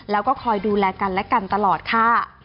แล้วก็คอยดูแลกันและกันตลอดค่ะ